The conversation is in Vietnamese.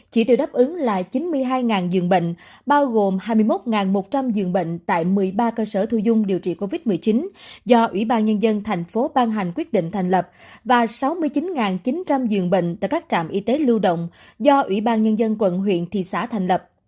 chỉ tiêu đáp ứng là chín mươi hai giường bệnh bao gồm hai mươi một một trăm linh giường bệnh tại một mươi ba cơ sở thu dung điều trị covid một mươi chín do ủy ban nhân dân thành phố ban hành quyết định thành lập và sáu mươi chín chín trăm linh giường bệnh tại các trạm y tế lưu động do ủy ban nhân dân quận huyện thị xã thành lập